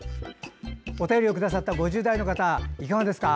お便りくださった５０代の方いかがですか？